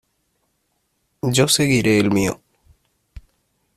yo seguiré el mío.